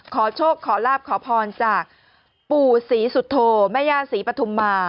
ขอโชคขอลาบขอพรจากปู่ศรีสุโธแม่ย่าศรีปฐุมมา